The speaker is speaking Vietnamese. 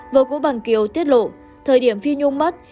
vợ cũ bằng kiều tiết lộ thời điểm phi nhung mất